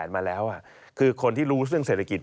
มาแล้วคือคนที่รู้เรื่องเศรษฐกิจ